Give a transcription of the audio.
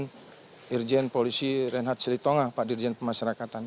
dirjen polisi renhad selitonga pak dirjen pemasyarakatan